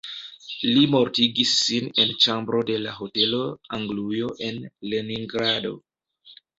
Li mortigis sin en ĉambro de la Hotelo Anglujo en Leningrado.